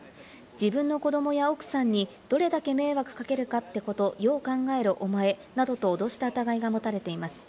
自分の子どもや奥さんにどれだけ迷惑かけるかってことよう考えろ、おまえなどと脅した疑いが持たれています。